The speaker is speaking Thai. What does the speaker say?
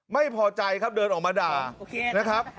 ไม่พอใจครับเดินออกมาด่านะครับ